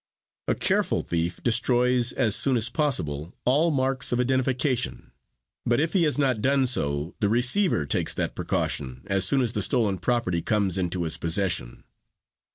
"A careful thief destroys, as soon as possible, all marks of identification, but if he has not done so, the receiver takes that precaution as soon as the stolen property comes into his possession.